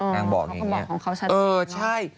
นางบอกอย่างงี้เออใช่